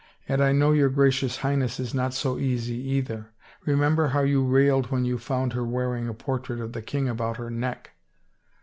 " And I know your Gracious Highness is not so easy, either. Remember how you railed when you found her wearing a portrait of the king about her neck